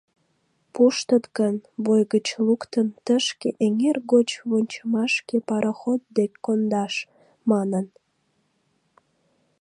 «Пуштыт гын, бой гыч луктын, тышке - эҥер гоч вончымашке пароход дек кондаш», – манын.